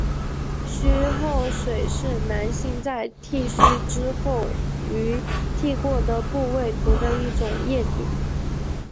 须后水是男性在剃须之后于剃过的部位涂的一种液体。